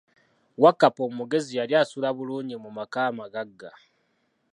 Wakkapa omugezi yali assula bulungi mu maka amagagga.